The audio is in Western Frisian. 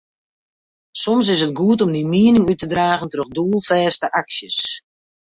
Soms is it goed om dyn miening út te dragen troch doelfêste aksjes.